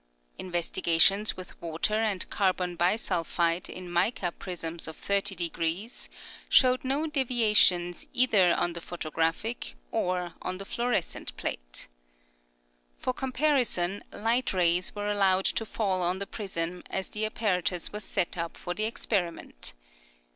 Investigations with water and car bon bisulphide in mica prisms of 30┬░ showed no deviation either on the photographic or the fluorescent plate. For comparison, light rays were allowed to fall on the prism as the apparatus was set up for the experi ment.